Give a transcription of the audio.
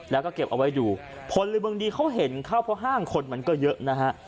แล้วก็เก็บเอาไว้ดูพลเมืองดีเขาเห็นเข้าเพราะห้างคนมันก็เยอะนะฮะ